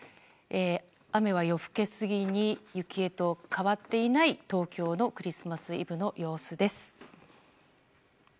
雨は夜更け過ぎに雪へと変わっていない東京のクリスマスイブの様子です。